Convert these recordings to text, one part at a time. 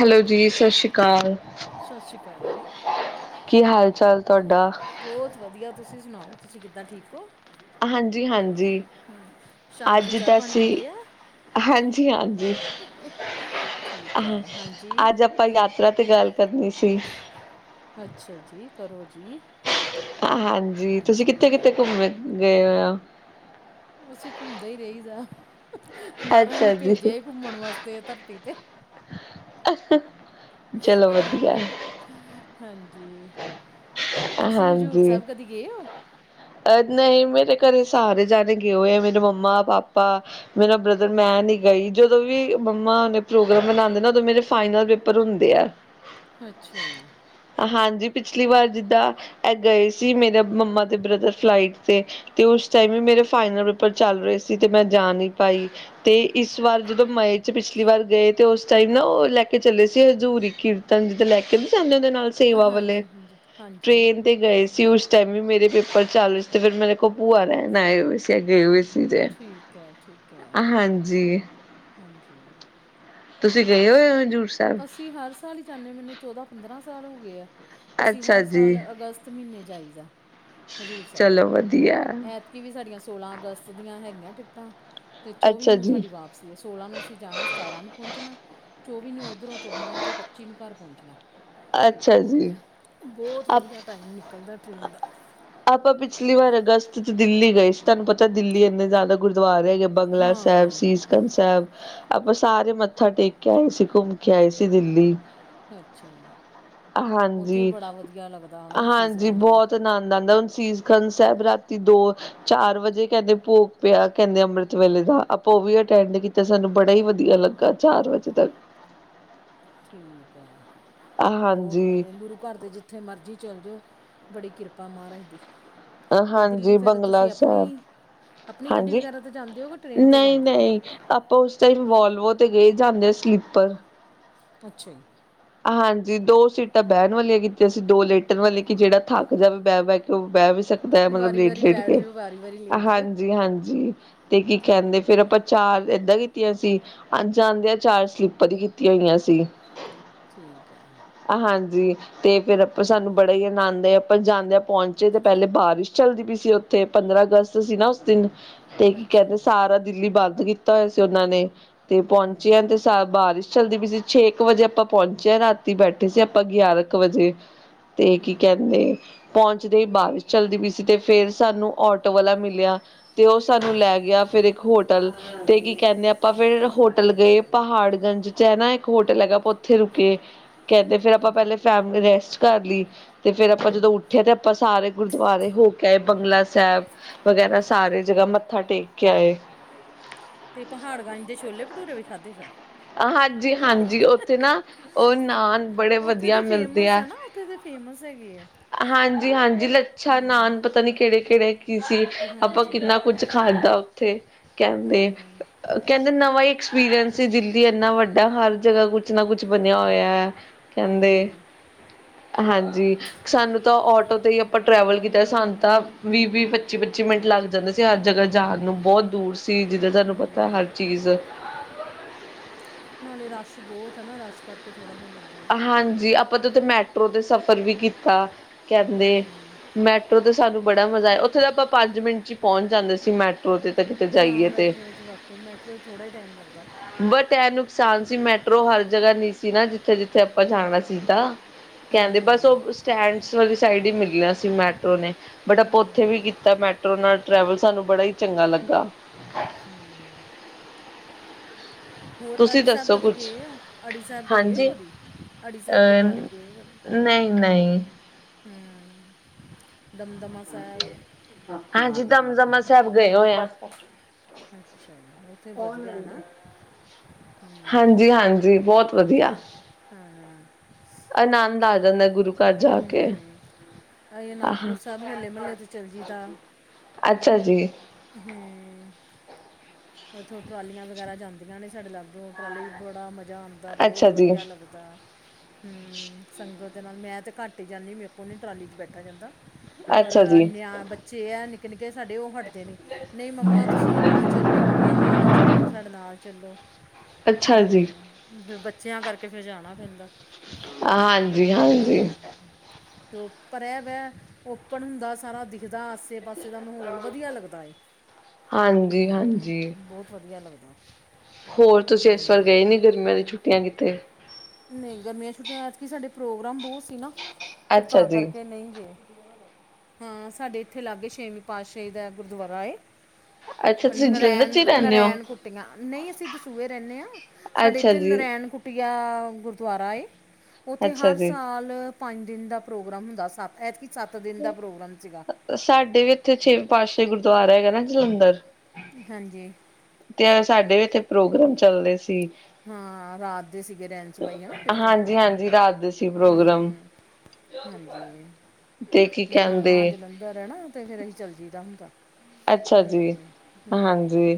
Hello ਜੀ ਸਤ ਸ੍ਰੀ ਅਕਾਲ ਕੀ ਹਾਲ ਚਾਲ ਤੁਹਾਡਾ ਬਹੁਤ ਵਧੀਆ ਤੁਸੀਂ ਸੁਨਾਓ ਤੁਸੀਂ ਕਿੱਦਾਂ ਠੀਕ ਹੋ ਹਾਂਜੀ ਹਾਂਜੀ ਅੱਜ ਤਾਂ ਸੀਂ ਹਾਂਜੀ ਹਾਂਜੀ ਅੱਜ ਆਪਾਂ ਯਾਤਰਾ ਤੇ ਗੱਲ ਕਰਨੀ ਸੀ ਅੱਛਾ ਜੀ ਕਰੋ ਜੀ ਹ ਹਾਂਜੀ ਤੁਸੀਂ ਕਿੱਥੇ ਕਿੱਥੇ ਘੁੰਮੇ ਗਏ ਹੋ ਹੋ ਉਸ ਘੁੰਮਦਾ ਹੀ ਰੇਹੀਦਾ ਮਹਾਰਾਜ ਨੇ ਭੇਜੇ ਘੁੰਮਣ ਵਾਸਤੇ ਧਰਤੀ ਤੇ ਹਾਂਜੀ ਤੁਸੀਂ ਹਜ਼ੂਰ ਸਾਹਿਬ ਕਦੀ ਗਏ ਓ ਅਹ ਨਹੀਂ ਮੇਰੇ ਘਰੇ ਸਾਰੇ ਜਾਣੇ ਗਏ ਹੋਏ ਆ ਮੇਰੇ ਮੰਮਾ ਪਾਪਾ ਮੇਰਾ ਬ੍ਰਦਰ ਮੈਂ ਨਹੀਂ ਗਈ ਜਦੋਂ ਵੀ ਮੰਮਾ ਪ੍ਰੋਗਰਾਮ ਬਣਾਂਦੇ ਨਾ ਉਦੋਂ ਮੇਰੇ ਫਾਈਨਲ ਪੇਪਰ ਹੁੰਦੇ ਆ ਅੱਛਾ ਜੀ ਹਾਂਜੀ ਪਿਛਲੀ ਵਾਰ ਜਿੱਦਾਂ ਇਹ ਗਏ ਸੀ ਮੇਰਾ ਮੰਮਾ ਤੇ ਬ੍ਰਦਰ ਫਲਾਈਟ ਤੇ ਤੇ ਉਸ ਟਾਈਮ ਵੀ ਮੇਰੇ ਫਾਈਨਲ ਪੇਪਰ ਚੱਲ ਰਹੇ ਸੀ ਤੇ ਮੈਂ ਜਾ ਨਹੀਂ ਪਾਈ ਤੇ ਇਸ ਵਾਰ ਜਦੋਂ ਮਏ ਚ ਪਿਛਲੀ ਵਾਰ ਗਏ ਤੇ ਉਸ ਟਾਈਮ ਨਾ ਉਹ ਲੈ ਕੇ ਚੱਲੇ ਸੀ ਹਜ਼ੂਰੀ ਕੀਰਤੀ ਜਿੱਥ ਲੈ ਕੇ ਵੀ ਜਾਂਦੇ ਉਹਦੇ ਨਾਲ ਸੇਵਾ ਵਾਲੇ ਟ੍ਰੇਨ ਤੇ ਗਏ ਸੀ ਉਸ ਟਾਈਮ ਵੀ ਮੇਰੇ ਪੇਪਰ ਚਾਲਜ ਤੇ ਫਿਰ ਮੇ ਪੂਆ ਰ ਨਾ ਵਸ ਗਏ ਵਸੀ ਦੇ ਠੀਕ ਹੈ ਠੀਕ ਹੈ ਹਾਂਜੀ ਹਾਂਜੀ ਤੁਸੀਂ ਗਏ ਹੋ ਅਸੀਂ ਹਰ ਸਾਲ ਹੀ ਚਦੇ ਮੈਨੂੰ ਚੌਦਾਂ ਪੰਦਰਾਂ ਸਾਲ ਹੋ ਗਏ ਆ ਅਸੀਂ ਹਰ ਸਾਲ ਅਗਸਤ ਮਹੀਨੇ ਜਾਈਦਾ ਹਜ਼ੂਰ ਸਾਹਿਬ ਐਤ ਕਿ ਵੀ ਸਾਡੀਆਂ ਸੋਲਾਂ ਅਗਸਤ ਦੀਆਂ ਹੈਗੀਆਂ ਟਿਕਟਾਂ ਅਤੇ ਚੌਵੀ ਨੂੰ ਸਾਡੀ ਵਾਪਸ ਸੀ ਸੋਲਾਂ ਨੂੰ ਅਸੀਂ ਜਾਣਾ ਸਤਾਰਾਂ ਨੂੰ ਪਹੁੰਚਣਾ ਚੌਵੀ ਨੂੰ ਉੱਧਰੋਂ ਤੁਰਨਾ ਹੈ ਅਤੇ ਪੱਚੀ ਨੂੰ ਘਰ ਪਹੁੰਚਣਾ ਹਮ ਬਹੁਤ ਵਧੀਆ ਟਾਈਮ ਨਿਕਲਦਾ ਟ੍ਰਰੇਨ ਦਾ ਆਪਾਂ ਪਿਛਲੀ ਵਾਰ ਅਗਸਤ ਚ ਦਿੱਲੀ ਗਏ ਸੀ ਤੁਹਾਨੂੰ ਪਤਾ ਦਿੱਲੀ ਇੰਨੇ ਜ਼ਿਆਦਾ ਗੁਰਦੁਆਰੇ ਹੈਗੇ ਬੰਗਲਾ ਸਾਹਿਬ ਸੀਸਖੰ ਸਾਹਿਬ ਆਪਾਂ ਸਾਰੇ ਮੱਥਾ ਟੇਕ ਕੇ ਆਏ ਸੀ ਘੁੰਮ ਕੇ ਆਏ ਸੀ ਦਿੱਲੀ ਅੱਛਾ ਜੀ ਹਾਂਜੀ ਹਾਂਜੀ ਬਹੁਤ ਆਨੰਦ ਆਉਂਦਾ ਹ ਚਜ਼ ੰ ਸਾਹਿਬ ਰਾਤੀ ਦੋ ਚਾਰ ਵਜੇ ਕਹਿੰਦੇ ਭੋਗ ਪਿਆ ਕਹਿੰਦੇ ਅੰਮ੍ਰਿਤ ਵੇਲੇ ਦਾ ਆਪਾਂ ਉਹ ਵੀ ਅਟੈਂਡ ਕੀਤਾ ਸਾਨੂੰ ਬੜਾ ਹੀ ਵਧੀਆ ਲੱਗਾ ਚਾਰ ਵਜੇ ਤੱਕ ਠੀਕ ਹੈ ਬਹੁਤ ਵਧੀਆ ਜੀ ਗੁਰੂ ਘਰਦੇ ਜਿੱਥੇ ਮਰਜ਼ੀ ਚੱਲ ਜਾਓ ਬੜੀ ਕਿਰਪਾ ਮਹਾਰਾਜ ਦੀ ਤੇ ਦਿੱਲੀ ਫਿਰ ਤੁਸੀਂ ਆਪਣੀ ਆਪਣੀ ਗੱਡੀ ਵਗੈਰਾ ਤੇ ਜਾਂਦੇ ਹੋ ਜਾਂ ਟ੍ਰਰੇਨ ਤੇ ਜਾਂਦੇ ਹੋ ਆਪਾਂ ਉਸ ਟਾਈਮ ਵੋਲਵੋ ਤੇ ਗਏ ਜਾਂਦੇ ਹਾਂ ਸਲੀਪਰ ਅੱਛਾ ਜੀ। ਹਾਂਜੀ। ਦੋ ਸੀਟਾਂ ਬਹਿਣ ਵਾਲੀਆਂ ਕੀਤੀਆਂ ਸੀ ਦੋ ਲੇਟਣ ਵਾਲੀ ਕਿ ਜਿਹੜਾ ਥੱਕ ਜਾ ਵੀ ਬਹਿ ਬਹਿ ਕੇ ਉਹ ਬਹਿ ਵੀ ਸਕ ਮਤਲਬ ਲੇਟ ਲੇਟ ਕੇ ਹਾਂਜੀ ਹਾਂਜੀ ਤੇ ਕੀ ਕਹਿੰਦੇ ਫੇਰ ਆਪਾਂ ਚਾਰ ਏਦਾਂ ਕੀਤੀਆਂ ਸੀ ਆਨ ਜਾਨ ਚਾਰ ਸਲੀਪਰ ਹੀ ਕੀਤੀਆਂ ਹੋਈਆਂ ਸੀ। ਠੀਕ ਹੈ। ਹਾਂਜੀ ਤੇ ਫਿਰ ਆਪਾਂ ਸਾਨੂੰ ਬੜਾ ਹੀ ਆਨੰਦ ਏ। ਆਪ ਜਾਂਦਿਆਂ ਪਹੁੰਚੇ ਤੇ ਪਹਿਲੇ ਬਾਰਿਸ਼ ਚੱਲਦੀ ਪਈ ਸੀ ਉੱਥੇ ਪੰਦਰਾਂ ਅਗਸਤ ਸੀ ਨਾ ਉਸ ਦਿਨ। ਤੇ ਕੀ ਕਹਿੰਦੇ ਸਾਰਾ ਦਿੱਲੀ ਬੰਦ ਕੀਤਾ ਹੋਇਆ ਸੀ ਉਹਨਾਂ ਨੇ ਤੇ ਪਹੁੰਚਿਆ ਤੇ ਸ ਬਾਰਿਸ਼ ਚੱਲਦੀ ਪਈ ਸੀ ਛੇ ਕੁ ਵਜੇ ਆਪਾਂ ਪਹੁੰਚਿਆ ਰਾਤੀ ਬੈਠੇ ਸੀ ਆਪਾਂ ਗਿਆਰ ਕੁ ਵਜੇ ਤੇ ਕੀ ਕਹਿੰਦੇ। ਪਹੁੰਚਦੇ ਹੀ ਬਾਰਿਸ਼ ਚੱਲਦੀ ਪਈ ਸੀ ਤੇ ਫੇਰ ਸਾਨੂੰ ਆਟੋ ਵਾਲਾ ਮਿਲਿਆ। ਤੇ ਉਹ ਸਾਨੂੰ ਲੈ ਗਿਆ ਫਿਰ ਇੱਕ ਹੋਟਲ ਤੇ ਕੀ ਕਹਿੰਦੇ ਆਪਾਂ ਫਿਰ ਹੋਟਲ ਗਏ। ਪਹਾੜਗੰਜ ਚ ਹੈ ਨਾ ਇੱਕ ਹੋਟਲ ਹੈਗਾ ਆਪਾਂ ਉੱਥੇ ਰੁਕੇ ਕਹਿੰਦੇ ਫੇਰ ਆਪਾਂ ਪਹਿਲੇ ਫੈ ਰੈਸਟ ਕਰ ਲਈ ਤੇ ਫੇਰ ਆਪਾਂ ਜਦੋਂ ਖਿਆ ਤੇ ਆਪਾਂ ਸਾਰੇ ਗੁਰਦੁਆਰੇ ਹੋ ਕੇ ਆਏ ਬੰਗਲਾ ਸਾਹਿਬ ਵਗੈਰਾ ਸਾਰੇ ਜਗ੍ਹਾ ਮੱਥਾ ਟੇਕ ਕੇ ਆਏ। ਤੇ ਪਹਾੜ ਗਾਂਜ ਦੇ ਛੋਲੇ ਭਟੂਰੇ ਵੀ ਖਾਧੇ ਫੇਰ। ਹਾਂਜੀ, ਹਾਂਜੀ ਉੱਥੇ ਨਾ ਉਹ ਨਾਨ ਬੜੇ ਵਧੀਆ ਮਿਲਦੇ ਐ। ਸ ਹੈਗੇ ਏ। ਹਾਂਜੀ, ਹਾਂਜੀ ਲੱਛਾ ਨਾਨ ਪਤਾ ਨੀ ਕਿਹੜੇ ਕਿਹੜੇ। ਕੀ ਸੀ ਆਪਾਂ ਕਿੰਨਾ ਕੁਝ ਖਾਧਦਾ ਉੱਥੇ ਕਹਿੰਦੇ। ਕਹਿੰਦੇ ਨਵਾਂ ਹੀ ਐਕਸਪੀਰੀਅੰਸ ਸੀ ਦਿਲ ਇੰਨਾ ਵੱਡਾ ਹਰ ਜਗ੍ਹਾ ਕੁਛ ਨਾ ਕੁਛ ਬਣਿਆ ਹੋਇਆ ਐ ਕਹਿੰਦੇ। ਹਾਂਜੀ ਸਾਨੂੰ ਤਾਂ ਆਟੇ ਤੇ ਟਰੈਵਲ ਕੀਤਾ ਸਾਨੂੰ ਤਾਂ ਵੀਹ ਵੀਹ ਪੱਚੀ ਪੱਚੀ ਮਿੰਟ ਲੱਗ ਜਾਂਦਾ ਸੀ ਹਰ ਜਗ੍ਹਾ ਜਾਣ ਨੂੰ ਬਹੁਤ ਦੂਰ ਸੀ ਜਿੱਦਾਂ ਤੁਹਾਨੂੰ ਪਤਾ ਹਰ ਚੀਜ਼ ਨਾਲੇ ਰਸ਼ ਬਹੁਤ ਹੈ ਨਾ ਰਸ਼ ਕਰਕੇ ਥੋੜ੍ਹਾ ਹੋ ਜਾਂਦਾ। ਹਾਂਜੀ ਆਪਾਂ ਤਾਂ ਉੱਥੇ ਮੈਟਰੋ ਤੇ ਸਫ਼ਰ ਵੀ ਕੀਤਾ ਕਹਿੰਦੇ ਮੈਟ ਮੈਟਰੋ ਤੇ ਸਾਨੂੰ ਬੜਾ ਮਜ਼ਾ ਆ ਉੱਥੇ ਤਾਂ ਆਪਾਂ ਪੰਜ ਮਿੰਟ ਚ ਹੀ ਪਹੁੰਚ ਜਾਂਦੇ ਸੀ ਮੈਟਰੋ ਤੇ ਤਾਂ ਕਿਤੇ ਜਾਈਏ ਤੇ। ਅਤੇ ਮੈਟਰੋ ਥੋੜ੍ਹਾ ਈ ਟਾਈਮ ਲੱਗ਼ਦਾ। ਬਟ ਇਹ ਨੁਕਸਾਨ ਸੀ ਮੈਟਰੋ ਹਰ ਜਗ੍ਹਾ ਨਹੀਂ ਸੀ ਨਾ ਜਿੱਥੇ ਜਿੱਥੇ ਆਪਾਂ ਜਾਣਾ ਸੀਗਾ। ਕਹਿੰਦੇ ਬਸ ਉਹ ਸਟੈਂਡਸ ਵਾਲੀ ਸਾਈਡ ਹੀ ਮਿਲੀਆਂ ਸੀ ਮੈਟਰੋ ਨੇ। ਬਟ ਆਪਾਂ ਉੱਥੇ ਵੀ ਕੀਤਾ ਮੈਟਰੋ ਨਾਲ ਟ੍ਰੈਵਲ ਸਾਨੂੰ ਬੜਾ ਈ ਚੰਗਾ ਲੱਗਾ। ਹੂੰ। ਹੋਰ ਅੜੀ ਸਾਹਿਬ ਕਦੇ ਗਏ ਔ ਅੜੀ ਸਾਹਿਬ ਗਏ ਔ ਕਦੀ। ਅਡੀ ਸਾਹਿਬ ਗੁਰਦੁਆਰੇ ਗਏ ਔ ਕਦੀ। ਹੂੰ ਦਮਦਮਾ ਸਾਹਿਬ ਹਾਂਜੀ, ਦਮਦਮਾ ਸਾਹਿਬ ਗਏ ਹੋਏ ਆ। ਅੱਛਾ ਜੀ ਉੱਥੇ ਵਧੀਆ ਨਾ। ਹਾਂਜੀ ਹਾਂਜੀ ਬਹੁਤ ਵਧੀਆ। ਹਾਂ। ਆਨੰਦ ਆ ਜਾਂਦਾ ਗੁਰੂ ਘਰ ਜਾ ਕੇ। ਅਸੀਂ ਅਨੰਦਪੁਰ ਸਾਹਿਬ ਹੋਲੇ ਮਹੱਲੇ ਤੋਂ ਚੱਲਜੀਈਦਾ। ਹੂੰ। ਉੱਥੋਂ ਟਰਾਲੀਆਂ ਵਗੈਰਾ ਜਾਂਦੀਆਂ ਨੇ ਸਾਡੇ ਲਾਗੋਂ ਟਰਾਲੀ ਬੜਾ ਮਜਾ ਬਹੁਤ ਵਧੀਆ ਲੱਗਦਾ। ਹੂੰ ਸੰਗਤ ਦੇ ਨਾਲ ਮੈਂ ਤੇ ਘੱਟ ਈ ਜਾਂਦੀ ਮੇਰੇ ਕੋ ਨੀ ਟਰਾਲੀ ਚ ਬੈਠਾ ਜਾਂਦਾ ਪਰ ਨਿਆ ਬ ਚੇ ਹੈ ਨਿੱਕੇ ਨਿੱਕੇ ਸਾਡੇ ਉਹ ਹਟ ਦੇਣੀ ਨਹੀਂ ਮੰਮਾ ਤੁਸੀਂ ਨਾਲ ਚੱਲੋ ਮੰਮਾ ਨਾਲ ਚੱਲੋ ਸਾਡੇ ਨਾਲ ਚੱਲੋ। ਹਮ ਫ ਬੱਚਿਆਂ ਕਰਕੇ ਫਿਰ ਜਾਣਾ ਪੈਂਦਾ ਹਾਂਜੀ ਹਾਂਜੀ ਪਰ ਵੈ ਓਪਨ ਹੁੰਦਾ ਸਾਰਾ ਦਿਖਦਾ ਆਸੇ ਪਾਸੇ ਦਾ ਮਾਹੌਲ ਵਧੀਆ ਲੱਗਦਾ ਹਾਂਜੀ ਹਾਂਜੀ ਬਹੁਤ ਵਧੀਆ ਲੱਗਦਾ ਹੋਰ ਤੁਸੀਂ ਇਸ ਵਾਰ ਗਏ ਨੀ ਗਰਮੀਆਂ ਦੀ ਛੁੱਟੀਆਂ ਕਿਤੇ ਨਹੀਂ ਗਰਮੀਆਂ ਛੁੱਟੀਆਂ ਐਤਕੀ ਸਾਡੇ ਪ੍ਰੋਗਰਾਮ ਬਹੁਤ ਸੀ ਨਾ ਫਿਰ ਤਾਂ ਕਰਕੇ ਨਹੀਂ ਗਏ ਹਾਂ ਸਾਡੇ ਇੱਥੇ ਲਾਗੇ ਛੇਵੀਂ ਪਾਤਸ਼ਾਹੀ ਦਾ ਗੁਰਦੁਆਰਾ ਏ ਨਰਾਇਣ ਨਰਾਇਣ ਕੁੱਟੀਆਂ ਨਹੀਂ ਅਸੀਂ ਦਸੂਹੇ ਰਹਿੰਦੇ ਹਾਂ ਸਾਡੇ ਇੱਥੇ ਨਰਾਇਣ ਕੁ ਪਟੀਆ ਗੁਰਦੁਆਰਾ ਏ ਉੱਥੇ ਹਰ ਸਾਲ ਪੰਜ ਦਿਨ ਦਾ ਪ੍ਰੋਗਰਾਮ ਹੁੰਦਾ ਸ ਐਤਕੀ ਸੱਤ ਦਿਨ ਦਾ ਪ੍ਰੋਗਰਾਮ ਸੀਗਾ। ਸਾਡੇ ਵੀ ਇੱਥੇ ਛੇ ਪਾਤਸ਼ੇ ਗੁਰਦੁਆਰਾ ਹੈਗਾ ਨਾ ਜਲੰਧਰ। ਹਾਂਜੀ। ਤੇ ਸਾਡੇ ਵੀ ਇਥੇ ਪ੍ਰੋਗਰਾਮ ਚੱਲਦੇ ਸੀ। ਹਾਂ ਰਾਤ ਦੇ ਸੀਗੇ ਰਹਿਣ ਚ' ਪਾਈ ਹੈ ਨਾ। ਫਿਰ ਤਨ ਹਮ ਹਾਂਜੀ ਮੇਰੇ ਮੰਮਾ ਜਲੰਧਰ ਹੈ ਨਾ ਤੇ ਫੇਿਰ ਅਸੀਂ ਚਲਜੀਦਾ ਹੁੰਦਾ ਅੱਛਾ ਜੀ ਹਾਂਜੀ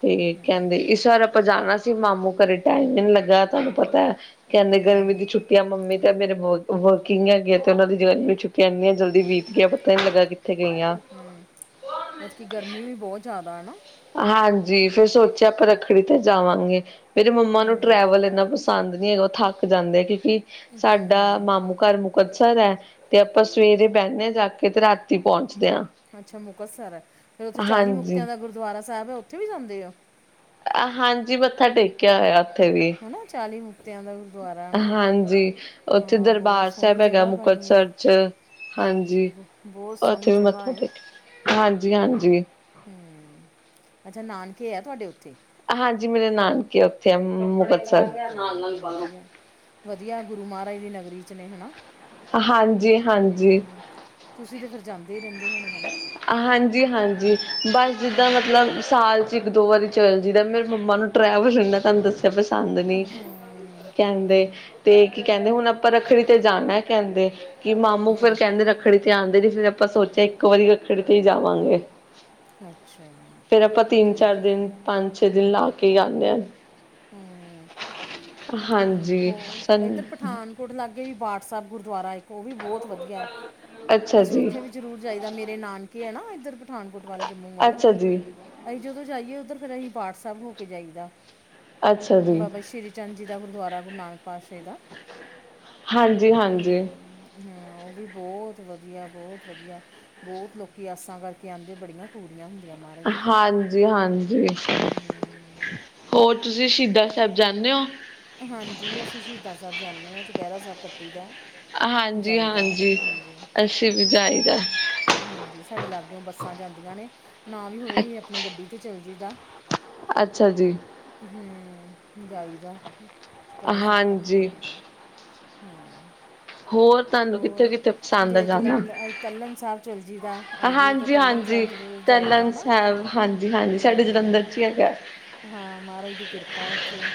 ਤੇ ਕਹਿੰਦੇ ਇਸ ਰ ਆਪਾਂ ਜਾਣਾ ਸੀ ਮਾਮੂ ਘਰੇ ਟਾਈਮ ਹੀ ਨੀ ਲੱਗਾ ਤੁਹਾਨੂੰ ਪਤਾ ਕਹਿੰਦੇ ਗਰਮੀ ਦੀ ਛੁੱਟੀ ਆ ਮੰਮੀ ਤੇ ਮੇਰੇ ਵਾਰਿਕੀਗ ਹੈ ਗੀ ਤੇ ਉਹਨਾਂ ਦੀ ਜੋਵਾਨੀ ਛੁੱਟੀ ਕਿ ਇੰਨੀਆਂ ਜਲਦੀ ਬੀਤ ਗਿਆ ਪਤਾ ਨੀ ਲੱਗਾ ਕਿੱਥੇ ਗਈਆਂ। ਹਾਂ। ਐਦਕਿ ਗਰਮੀ ਵੀ ਬਹੁਤ ਜ਼ਿਆਦਾ ਹੈ ਨਾ। ਹਾਂਜੀ, ਫੇਰ ਸੋਚਿਆ ਆਪਾਂ ਰੱਖੜੀ ਤੇ ਜਾਵਾਂਗੇ। ਮੇਰੇ ਮੰਮਾ ਨੂੰ ਟਰੈਵਲ ਇੰਨਾ ਪਸੰਦ ਨੀ ਹੈਗਾ ਉਹ ਥੱਕ ਜਾਂਦੇ ਆ। ਕਿਉਂਕਿ ਸਾਡਾ ਮਾਮੂ ਘਰ ਮੁ ਮੁਕਤਸਰ ਹੈ ਤੇ ਆਪਾਂ ਸਵੇਰੇ ਬਹਨੇ ਜਾ ਕੇ ਤੇ ਰਾਤੀ ਪਹੁੰਚਦੇ ਹਾਂ। ਅੱਛਾ ਮੁਕਤਸਰ ਹੈ। ਫਿਰ ਉੱਥੇ ਚਾਲੀ ਮੁਕਤਿਆਂ ਦਾ ਗੁਰਦੁਆਰਾ ਸਾਹਿਬ ਹੈ ਉੱਥੇ ਵੀ ਜਾਂਦੇ ਆ। ਹਾਂਜੀ, ਮੱਥਾ ਟੇਕਿਆ ਹੋਇਆ। ਹਾਂਜੀ। ਉੱਥੇ ਦਰਬਾਰ ਸਾਹਿਬ ਹੈਗਾ ਮੁਕਤਸਰ। ਹਾਂਜੀ, ਉੱਥੇ ਵੀ ਮੱਥਾ ਟੇਕ। ਹਾਂਜੀ- ਹਾਂਜੀ। ਹਮ, ਅੱਛਾ। ਨਾਨਕੇ ਹੈ ਤੁਹਾਡੇ ਉੱਥੇ ਹਾਂਜੀ, ਮੇਰੇ ਨਾਨਕੇ ਉਓਥੇ ਆ ਮੁਕਤਸਰ। ਵਧੀਆ ਗੁਰੂ ਮਹਾਰਾਜ ਦੀ ਨਗਰੀ ਚ' ਨੇ ਹੈ। ਹਾਂਜੀ- ਹਾਂਜੀ। ਤੁਸੀਂ ਤੇ ਫਿਰ ਜਾਂਦੇ ਹੀ ਰਹਿੰਦੇ ਹੋਣੇ ਹਨਾ। ਹਾਂਜੀ- ਹਾਂਜੀ ਬਸ ਜਿੱਦਾਂ ਮਤਲਬ ਸਾਲ 'ਚ ਇੱਕ -ਦੋ ਵਾਰੀ ਚੱਲ ਜਿਦਾ ਮੇਰੇ ਮੰਮਾ ਨੂੰ ਟਰੈਵਲ ਨਾ ਤੁਹਾਨੂੰ ਦੱਸਿਆ ਪਸੰਦ ਨੀ। ਕਹਿੰਦੇ ਤੇ ਕੀ ਕਹਿੰਦੇ ਹੁਣ ਆਪਾਂ ਰੱਖੜੀ ਤੇ ਜਾਣਾ ਕਹਿੰਦੇ ਕਿ ਮਾਮੂ ਫੇਰ ਕਹਿੰਦੇ। ਰ ਰੱਖੜੀ ਤੇ ਆਉਂਦੇ ਨੀ ਫੇਰ ਆਪਾਂ ਸੋਚਿਆ ਇੱਕ ਵਾਰੀ ਰੱਖੜੀ ਤੇ ਹੀ ਜਾਵਾਂਗੇ। ਫੇਰ ਆਪਾਂ ਤਿੰਨ -ਚਾਰ ਦਿਨ, ਪੰਜ- ਛੇ ਦਿਨ ਲਾ ਕੇ ਜਾਉਂਦੇ ਹਾਂ। ਹਮ, ਹੋਰ ਇਏਧਰ ਪਠਾਨ ਗਟ ਲਾਗੇ ਵੀ ਬਾਰ ਸਾਹਿਬ ਗੁਰਦੁਆਰਾ ਇੱਕ ਉਹ ਵੀ ਬਹੁਤ ਵਧੀਆ ਹੈ। ਅਸੀਂ ਉੱਥੇ ਵੀ ਜ਼ਰੂਰ ਜਾਹੀਦਾ ਨਾਨਕੇ ਹੈ ਨਾ ਇੱਧਰ ਪਠਾਨਕੋਟ ਵੱਲ ਜੰਮੂ ਵੱਲ। ਅਸੀਂ ਜਦੋਂ ਜਾਈਏ, ਉੱਧਰ ਫਿਰ ਅਸੀਂ ਭਾਰ ਸਾਹਿਬ ਹੋ ਕੇ ਜਾਈਦਾ। ਬਾਬਾ ਸ਼੍ਰੀ ਚੰਦ ਜੀ ਦਾ ਗੁਰਦੁਆਰਾ ਗੁਰੂ ਨਾ ਪਾਸ਼ੇ ਦਾ ਹਾਂ, ਉਹ ਵੀ ਬਹੁਤ ਵਧੀਆ, ਬਹੁਤ ਵਧੀਆ ਬਹੁਤ ਲੋਕ ਆਸਾਂ ਕਰਕੇ ਆਉਂਦੇ ਬੜੀਆਂ। ਪੂਰੀਆਂ ਹੁੰਦੀਆਂ ਮਹਾਰਾਜ ਦੇ ਘਰ। ਹਮ। ਹੋਰ ਤੁਸੀਂ ਸ਼ਹੀਦ ਸਾਹਿਬ ਜਾਂਦੇ ਹੋ? ਹਾਂਜੀ, ਅਸੀਂ ਸ਼ਹੀਦਾਂ ਸਾਹਿਬ ਜਾਂਦੇ ਹਾਂ ਚੁਪਹਿਰਾ ਸਾਹਿਬ ਕੱਟੀ ਦਾ। ਹਾਂਜੀ- ਹਾਂਜੀ ਅਸੀ ਵੀ ਚਾਹੀਦਾ। ਹਾਂਜੀ, ਸਾਡੇ ਲਾਗੇਓ ਬੱਸਾਂ ਜਾਦੀਆਂ ਨੇ ਨਾ ਵੀ ਹੋਵੇ ਹੀ ਆਪਣੀ ਗੱਡੀ ਤੇ ਚਲ ਜਈਦਾ। ਅੱਛਾ ਜੀ। ਹਮ ਜਾਈਦਾ ਚੁਪਹਿਰਾ ਸਾਹਿਬ ਕੱਟ ਕੇ ਆਈਦਾ। ਹੂੰ - ਹੋਰ ਤੁਹਾਨੂੰ ਕਿਥੇ- ਕਿਥੇ ਪਸੰਦ ਹੈ। ਜਾਣਾ? ਹਾਂਜੀ- ਹਾਂਜੀ। ਜੀ ਤਰਨ ਤਾਰਨ ਸਾਹਿਬ ਹਾਂਜੀ- ਹਾਂਜੀ ਸਾਡੇ ਜਲੰਧਰ 'ਚ ਹੀ ਹੈਗਾ। ਹਾਂ, ਮਹਾਰਾਜ ਦੀ ਕਿਰਪਾ ਉਥੇ।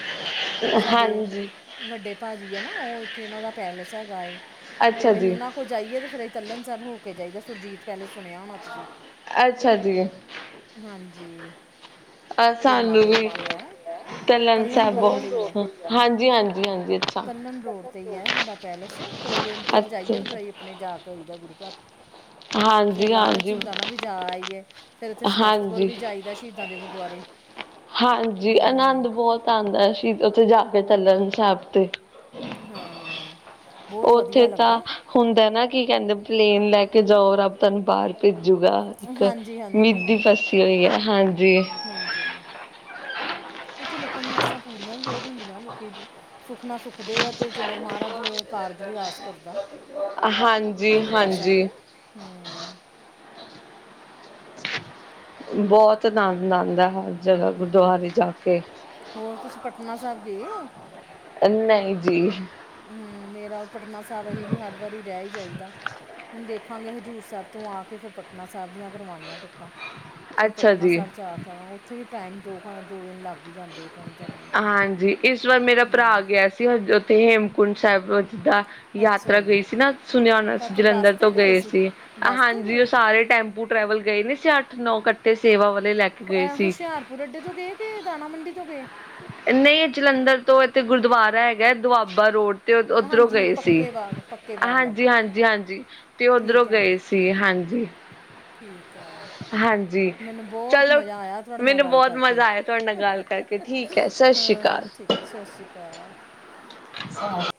ਹਾਂਜੀ। ਵਡੇ ਭਾਅ ਜੀ ਹੈ। ਨਾ ਉਹ ਇਥੇ ਉਹਨਾ ਦਾ ਪੈਲੇਸ ਹੈਗਾ ਏ। ਤੇ ਅਸੀ ਉਹਨਾ ਕੋਲ ਜਾਈਏ ਤੇ ਫਿਰ ਅਸੀ ਤੱਲਣ ਸਾਹਿਬ ਹੋ ਕੇ ਜਾਈਦਾ ਸੁਰਜੀਤ ਪੈਲੇਸ ਸੁਣਿਆ ਹੋਣਾ ਤੁਸੀ। ਅਛਾ ਜੀ। ਹਾਂਜੀ। ਢਿਲਮਾਂ ਰੋਡ ਤੇ ਹੈ। ਤਲਣ ਰੋਡ ਤੇ ਈ ਹੈ ਤੱਲਣ ਰੋਡ ਤੇ ਈ ਹੈ। ਸਾਡਾ ਪੈਲੇਸ ਫਿਰ ਅਸੀਂ ਓਥੋਂ ਤਕ ਜਾਈਏ ਫਿਰ ਅਹੀ ਆਪਣੇ ਜਾ ਕੇ ਆਈ ਦੈ ਗੁਰੂ ਘਰ ਫੇਰ ਲਾਲਚ ਹੁੰਦਾ ਨਾ ਵੀ ਜਾ ਆਈਏ ਫਿਰ ਉਥੇ ਸਮਸਤਪੁਰ ਵੀ ਜਾਈਦੈ ਸ਼ਹੀਦਾ ਦੇ ਗੁਰਦੁਆਰੇ। ਹਾਂਜੀ, ਆਨੰਦ ਬਹੁਤ ਆਉਦਾ ਸ਼ ਉਥੇ ਜਾ ਕੇ ਤਲਣ ਸਾਹਿਬ ਤੇ। ਹਾਂ- ਉਥੇ ਤਾਂ ਹੁੰਦਾ ਨਾ ਕੀ ਕਹਿੰਦੇ ਪਲੇਨ ਲੈ ਕੇ ਜਾਓ ਰੱਬ ਨੂੰ ਭੇਜੂਗਾ ਇਕ ਮਿਧ ਦੀ ਫਸੀ ਹੋਈ ਹੈ। ਹਾਂਜੀ ਹਾਂਜੀ ਉੱਥੇ ਲੋਕਾਂ ਦੀਆਂ ਆਸਾਂ ਪੂਰੀਆਂ ਵੀ ਬਹੁਤ ਹੁੰਦੀਆਂ ਲੋਕੀ- ਸੁੱਖਨਾ ਸੁੱਖਦੇ ਹੈ ਤੇ ਚਲੋ ਮਹਾਰਾਜ ਕਾਰਜ ਵੀ ਰਾਸ ਕਰਦੈ ਸ਼ਹੀਦਾਂ ਸਾਹਿਬ ਹ ਬਹੁਤ ਆਨੰਦ ਆਂਦੈ ਹਰ ਜਗ੍ਹਾ ਗੁਰਦੁਆਰੇ ਜਾ ਕੇ ਹੋਰ ਤੁਸੀ ਪਟਨਾ ਸਾਹਿਬ ਗਏ ਹੋ। ਨਹੀ ਜੀ। ਹਮ ਮੇਰਾ ਉਹ ਪਟਨਾ ਸਾਹਿਬ ਅਸੀ ਵੀ ਹਰ ਵਾਰੀ ਰਹਿ ਹੀ ਜਾਾਹੀਦਾ ਹੁਣ ਦੇਖ ਦੇਖਾਂਗੇ ਹਜ਼ੂਰ ਸਾਹਿਬ ਤੋ ਆ ਕੇ ਫਿਰ ਪਟਨਾ ਸਾਹਿਬ ਦੀਆ ਕਰਵਾਉਣੀਆਂ ਟਿਕਟਾਂ ਫਿਰ ਪਟਨਾ ਸਾਹਿਬ ਜਾ ਕੇ ਆਵਾਂਗਾ ਉੱਥੇ ਵੀ ਟੈਮ ਦੋ ਘ ਦੋ ਦਿਨ ਲਗ ਹਾਂਜੀ ਇਸ ਵਾਰ ਮੇਰਾ ਭਰਾ ਗਿਆ ਸੀ। ਉੱਥੇ ਹੇਮਕੁੰਟ ਸਾਹਿਬ ਯਾਤਰਾ ਗਈ ਸੀ ਨਾ ਸੁਨਿਆਣਾ ਜਲੰਧਰ ਤੋਂ ਗਏ ਸੀ ਹਾਂਜੀ ਉਹ ਸਾਰੇ ਟੈਪੂ ਟਰੈਵਲ ਗਏ ਨੀ ਸੀ ਅੱਠ ਨੌ ਕੱਟੇ ਸੇਵਾ ਵਾਲੇ ਲੈ ਕੇ ਗਏ ਸੀ ਮੋਰਿੰਡੇ ਤੋਂ ਗਏ ਕਿ ਦਾਣਾ ਮੰਡੀ ਤੋ ਗਏ ਨਹੀ ਜਲੰਧਰ ਤੋਂ ਇਥੇ ਗੁਰਦੁਆਰਾ ਹੈਗਾ ਦੁਆਬਾ ਰੋਡ ਤੇ ਓਧਰੋਂ ਗਏ ਸੀ ਹਾਂਜੀ- ਹਾਂਜੀ- ਹਾਂਜੀ ਤੇ ਉਧਰੋ ਗਏ ਸੀ। ਜੀ ਹਾਂਜੀ- ਠੀਕ ਹੈ। ਮੈਨੂੰ ਬਹੁਤ ਮਜ਼ਾ ਆਇਆ ਤੁਹਾਡੇ ਨਾਲ ਗਲ ਕਰਕੇ ਹਾਂ, ਸਤਿ ਸ਼੍ਰੀ ਅਕਾਲ। ਅ [unintelligible]